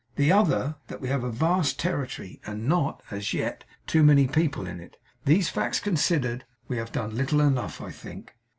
The other, that we have a vast territory, and not as yet too many people on it. These facts considered, we have done little enough, I think.